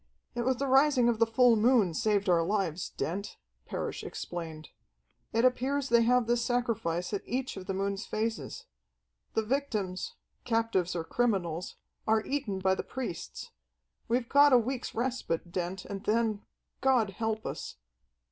"It was the rising of the full moon saved our lives, Dent," Parrish explained. "It appears they have this sacrifice at each of the moon's phases. The victims, captives or criminals, are eaten by the priests. We've got a week's respite, Dent, and then God help us."